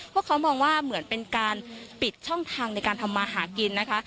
พวกเขามองว่าเหมือนเป็นการปิดช่องทางในการทำมาหากินนะคะ